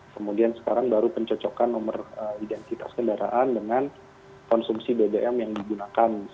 kemudian sekarang baru pencocokan nomor identitas kendaraan dengan konsumsi bbm yang digunakan